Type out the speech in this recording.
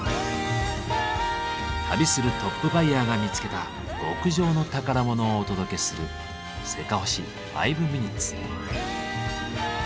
旅するトップバイヤーが見つけた極上の宝物をお届けする「せかほし５ｍｉｎ．」。